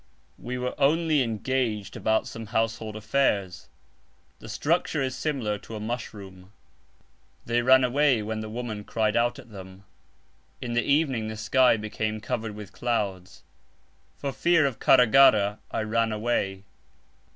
We were only engaged about some household affairs. The structure is similar to a mushroom. They ran away when the woman cried out at them. In the evening the sky became covered with clouds. From fear of Karagara I ran away.